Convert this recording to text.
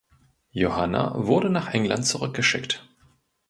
Johanna wurde nach England zurückgeschickt.